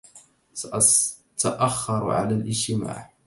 سأتأخر على الاجتماع.